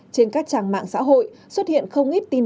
trên các trang mạng xã hội xuất hiện không ít tin